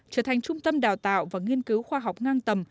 trở thành trung tâm đào tạo và nghiên cứu khoa học ngang tầm